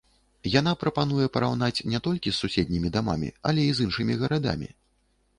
Яна прапануе параўнаць не толькі з суседнімі дамамі, але і з іншымі гарадамі.